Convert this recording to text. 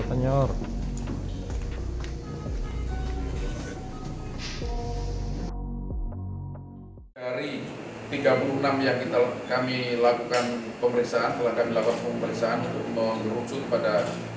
dari tiga puluh enam yang kami lakukan pemeriksaan telah kami lakukan pemeriksaan untuk menurut pada